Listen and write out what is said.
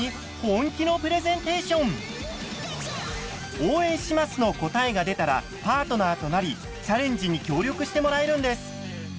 「応援します」の答えが出たらパートナーとなりチャレンジに協力してもらえるんです。